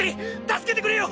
助けてくれよ！